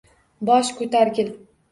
Bosh ko’targil